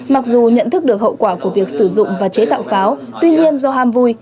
mặc dù nhận thức được hậu quả của việc sử dụng và chế tạo pháo tuy nhiên do ham vui